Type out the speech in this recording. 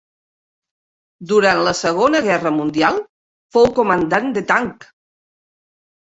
Durant la Segona Guerra Mundial, fou comandant de tanc.